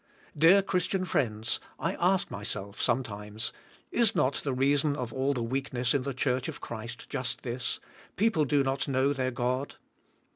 Dear Christian friends, I ask myself, some times, "Is not the reason of all the weakness in the church of Christ just this: people do not know their God?"